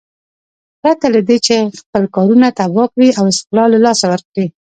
پرته له دې چې خپل ښارونه تباه کړي او استقلال له لاسه ورکړي.